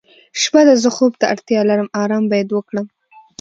شپه ده زه خوب ته اړتیا لرم آرام باید وکړم.